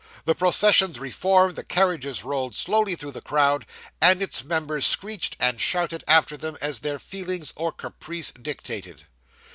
The processions reformed, the carriages rolled slowly through the crowd, and its members screeched and shouted after them as their feelings or caprice dictated.